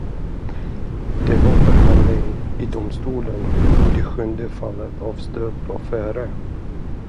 Det var förhandling i domstolen, det sjunde fallet av stöld var före.